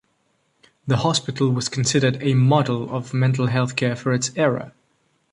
The hospital was considered a model of mental health care for its era.